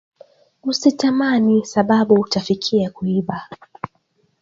Usi tamani sababu uta fikia kuiba